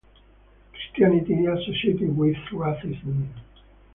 Christianity is associated with racism.